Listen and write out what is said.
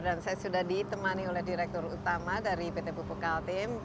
dan saya sudah ditemani oleh direktur utama dari pt pupuk altim